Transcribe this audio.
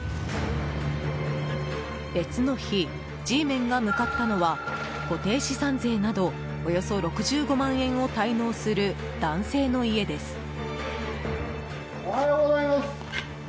別の日、Ｇメンが向かったのは固定資産税などおよそ６５万円を滞納する男性の家です。